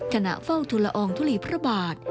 ขณะเฝ้าทุลอองทุลีพระบาท